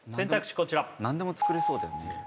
こちら何でも作れそうだよね